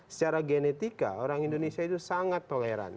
secara genetika orang indonesia itu sangat toleran